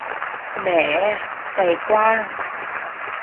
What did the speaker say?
แหม ใจกว้าง